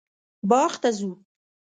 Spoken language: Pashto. باغ ته ځو